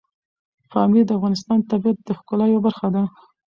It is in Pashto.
پامیر د افغانستان د طبیعت د ښکلا یوه برخه ده.